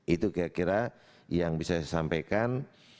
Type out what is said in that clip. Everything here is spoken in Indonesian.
itu kira kira yang bisa saya sampaikan